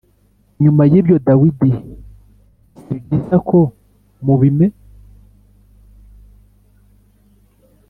Nyuma y ibyo Dawidi at sibyiza ko mubim